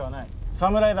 侍だ。